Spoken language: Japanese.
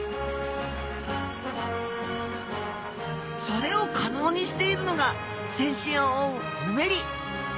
それを可能にしているのが全身を覆うヌメリ。